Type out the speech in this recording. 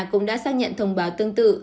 cũng đã xác nhận thông báo tương tự